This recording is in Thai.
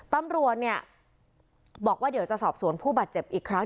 ตำรวจเนี่ยบอกว่าเดี๋ยวจะสอบสวนผู้บาดเจ็บอีกครั้ง